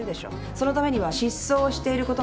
そのためには失踪していることの確認。